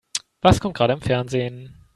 Was kommt gerade im Fernsehen?